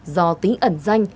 do tính ẩn danh